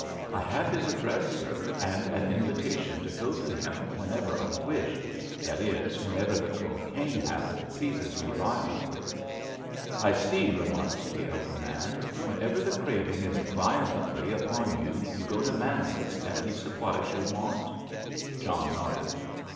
"I have his address, sir, and an invitation to go to him whenever I wish—that is, whenever the cocaine habit seizes me violently." "I see," remarked the elder man. "Whenever the craving is violently upon you, you go to Manwitz and he supplies your want?" John nodded.